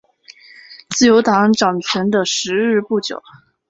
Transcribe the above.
自由党掌权的时日不久。